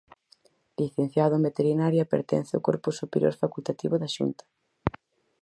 Licenciado en Veterinaria pertence ao Corpo Superior Facultativo da Xunta.